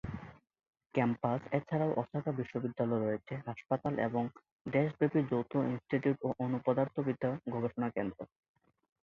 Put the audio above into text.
Campus এছাড়াও Osaka বিশ্ববিদ্যালয়ে রয়েছে হাসপাতাল এবং দেশব্যাপী যৌথ ইনস্টিটিউট ও অণু পদার্থবিদ্যা গবেষণা কেন্দ্র।